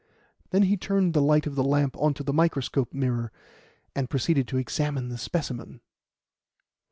Then he turned the light of the lamp on to the microscope mirror and proceeded to examine the specimen.